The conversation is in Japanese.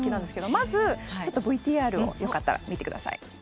まずＶＴＲをよかったら見てください。